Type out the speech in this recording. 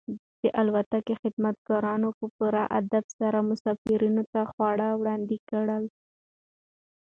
د الوتکې خدمتګارانو په پوره ادب سره مسافرانو ته خواړه وړاندې کړل.